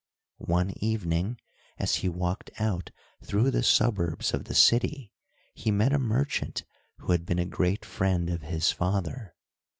One evening as he walked out through the suburbs of the city, he met a merchant who had been a great friend of his father.